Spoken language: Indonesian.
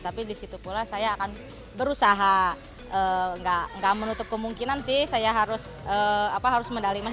tapi disitu pula saya akan berusaha nggak menutup kemungkinan sih saya harus medali emas